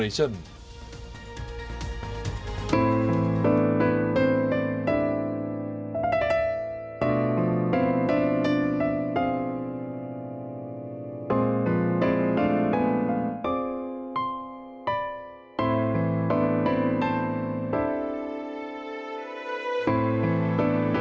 ให้ใช้ข่าวโอลี่ยากที่ใครจะตามทัน